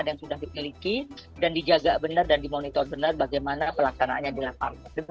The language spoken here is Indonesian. ada yang sudah dipiliki dan dijaga benar dan dimonitor benar bagaimana pelaksanaannya di lapang